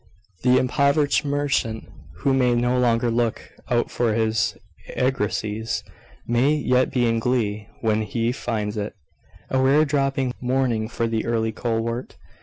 The impoverished merchant, who may no longer look out for his argosies, may yet be in glee when he finds it "a rare dropping morning for the early colewort."